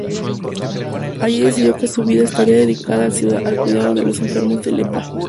Allí decidió que su vida estaría dedicada al cuidado de los enfermos de lepra.